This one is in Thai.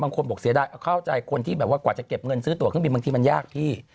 บางคนบอกเสียดายเอาเข้าใจคนที่แบบว่ากว่าจะเก็บเงินซื้อตัวเครื่องบินบางทีมันยากพี่